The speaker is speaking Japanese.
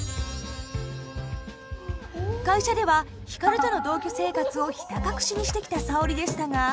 会社では光との同居生活をひた隠しにしてきた沙織でしたが。